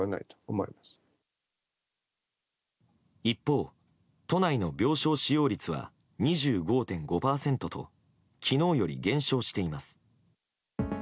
一方、都内の病床使用率は２５．５％と昨日より減少しています。